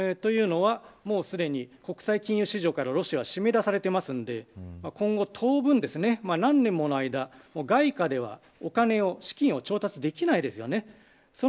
というのは、もうすでに国際金融市場からロシアは締め出されているので今後、当分、何年もの間外貨では、お金を資金を調達できません。